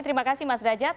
terima kasih mas dajat